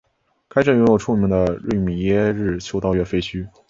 该镇拥有著名的瑞米耶日修道院废墟。